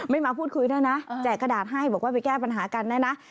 มาพูดคุยด้วยนะแจกกระดาษให้บอกว่าไปแก้ปัญหากันนะนะ